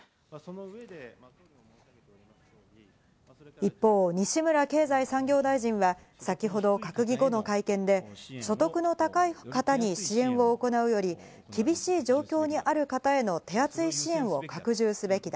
一方、西村経済再生担当大臣は先ほど閣議後の会見で、所得の高い方に支援を行うより、厳しい状況にある方への手厚い支援を拡充すべきだ。